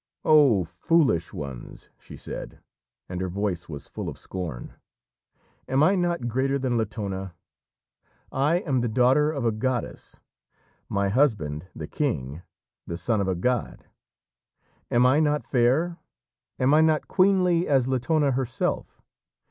"Oh foolish ones!" she said, and her voice was full of scorn, "am I not greater than Latona? I am the daughter of a goddess, my husband, the king, the son of a god. Am I not fair? am I not queenly as Latona herself?